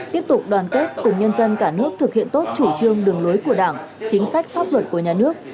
tiếp tục đoàn kết cùng nhân dân cả nước thực hiện tốt chủ trương đường lối của đảng chính sách pháp luật của nhà nước